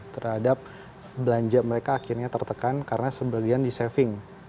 terhadap belanja mereka akhirnya tertekan karena sebagian di saving